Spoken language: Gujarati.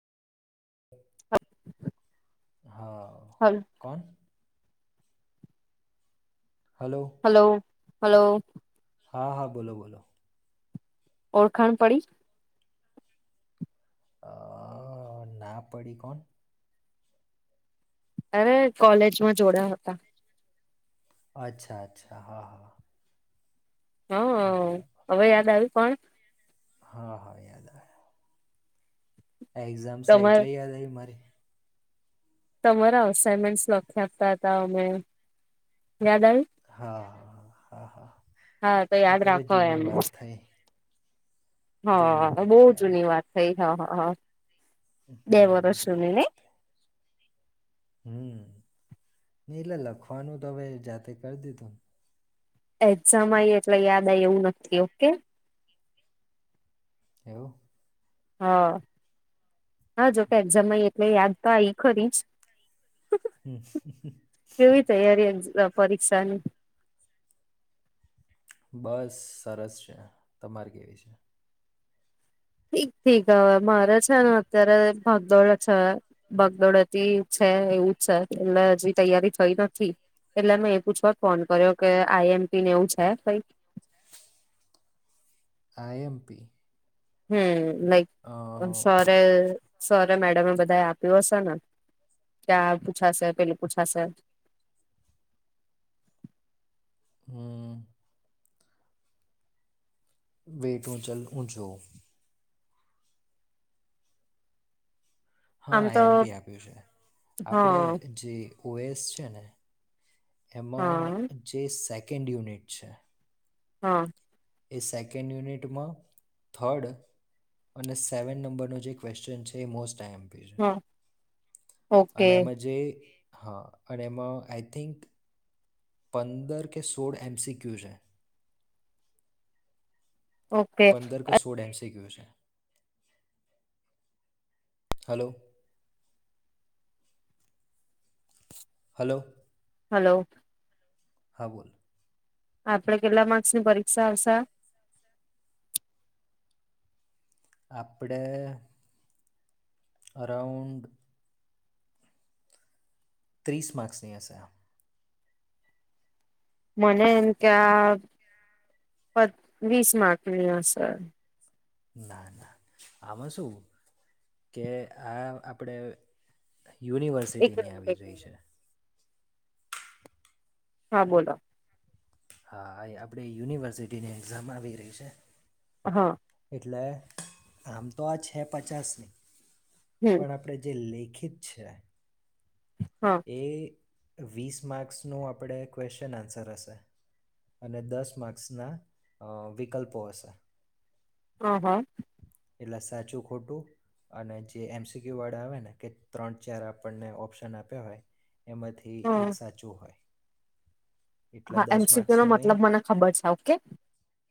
હા હા કોણ હલો હલો હલો હા હા બોલો બોલો ઓળખાણ પડી અ ના પડી કોણ અરે કોલેજમાં જોડાયા હતા અચ્છા અચ્છા હા હા હ હ બરાબર હવે યાદ આવ્યું કોણ હા હા યાદ આયા. આ એક્ઝામ્સ તમા એટલે યાદ આવી મારી. તમારા અસાઈમેન્ટ લખી આપતા હતા અમે. યાદ આવી હા હા હા હા હા તો એ યાદ હવે રાખો જૂની એમ વાત થઈ જૂની હા વાત બઉ થઈ હવે જૂની વાત થઈ. હા હા હા. બે હમ વર્ષ નું નઇ. હમ્મ એટલે લખવાનું તો હવે જાતે કર દીધું. એક્ઝામ આઈ એટલે યાદ આ એવું નથી ઓકે. [inaudible] હા હા જોકે એક્ઝામમાં એટલે યાદ તો આવી ખરી જ. હમ કેવી તૈયારી પરીક્ષાની? બસ સરસ છે તમારે કેવી છે? ઠીક ઠીક હવે મારે છે ને અત્યારે ભગદોડ છે ભગદોડતી છે એવું છે એટલે હજી તૈયારી થઈ નથી એટલે મેં એ પૂછવા ફોન કર્યો કે આઈ એમપીને એવું છે કઈ? આઈ એમ પી. હમ્મ. નઈ ઓમ સરે એ સર મેડમે બધા આપ્યું હશે ને કે પૂછાશે પેલું પૂછાશે. હમ્મ. વેટ હું ચલ હું જોઉ. હા આમ આઈ તો એમ પી આપ્યું છે હા આપણેે જે ઓ એસ છે ને. હા એમાં જેે સેક એન્ડ યુનિટ છે. હા. એ સેકન્ડ યુનિટમાં થર્ડ અને સેવન નંબરનો જે ક્વેશ્ચન છે એ મોસ્ટ આઇ એમ પી છે. હા ઓકે અને એમાં જે હા અને એમાં આઈ થિંક પંદર કે સોળ એમ સી ક્યુ છે. ઓકે પંદર કે સોડ એમ સી ક્યુ છે. હલો. હલો. હલો. હા બોલો. આપડે કેટલા માર્ક્સ ની પરીક્ષા આવશે આ. આપડે અરાઉન્ડ ત્રીસ માર્ક્સ ની હશે આ. મને એમ કે આ પ વીસ માર્કની હસે. ના ના આમાં શું કે આ આપડે એક યુનિવર્સિટીની મિનિટ આવી એક રહી મિનિટ છે. હા બોલો. હા આપણે યુનિવર્સિટીની એક્ઝામ આવી રહી છે. હા. એટલે આમ તો આ છે પચાસની હમ પણ આપણેે જે લે [unintelligible] હા એ વીસ માર્ક્સનું આપણે ક્વેશ્ચન આન્સર હશે. હ હ. એટલે સાચું ખોટું અને જ એમસિક્યુ આવે ને એ ત્રણ ચાર આપણે ઓપ્શન હથા એમાંથી હ એક સાચું એટલે હા દસ એમસીક્યુ નો માર્ક્સનું એ મતલબ મને ખબર છે ઓકે.